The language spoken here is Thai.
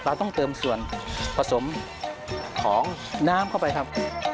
เราต้องเติมส่วนผสมของน้ำเข้าไปครับ